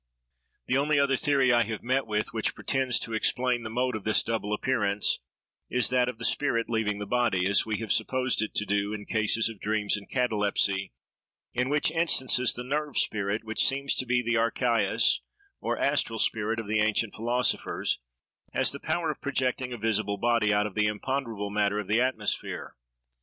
The only other theory I have met with, which pretends to explain the mode of this double appearance, is that of the spirit leaving the body, as we have supposed it to do in cases of dreams and catalepsy; in which instances the nerve spirit, which seems to be the archæus or astral spirit of the ancient philosophers, has the power of projecting a visible body out of the imponderable matter of the atmosphere.